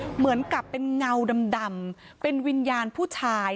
เหมือนกับเป็นเงาดำเป็นวิญญาณผู้ชาย